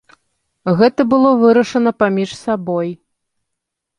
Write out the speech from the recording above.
Гэта было вырашана паміж сабой.